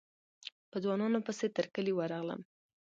په ځوانانو پسې تر کلي ورغلم.